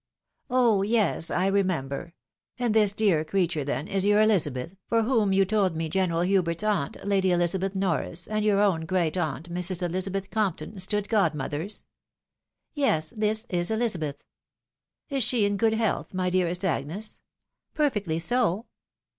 " Oh! yes — I remember. And this dear creature, then, is your Elizabeth, for whom you told me General Hubert's aunt, Lady EHzabeth Norris, and your own great aunt, Mrs. Eliza beth Compton, stood godmothers." " Yes : this is Elizabeth." '( Is she in good health, my dearest Agnes? "" Perfectly so."